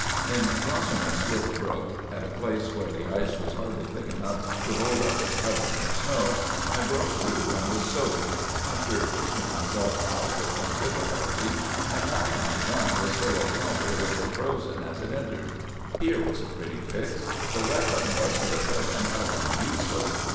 In crossing a swift brook, at a place where the ice was hardly thick enough to hold up its covering of snow, I broke through and was soaked. After fishing myself out with some difficulty, I found my gun was full of water which had frozen as it entered. Here was a pretty fix! The weapon was for the present utterly useless.